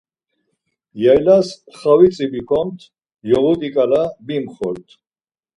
Yaylas xavitzi bikomt, yoğut̆i ǩala bibxort.